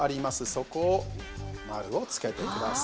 そこを丸をつけてください。